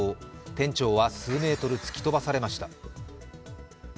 店長は数メートル突き飛ばされました。